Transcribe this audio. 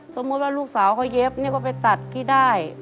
สมมุติว่าลูกสาวเขาเย็บนี่ก็ไปตัดที่ได้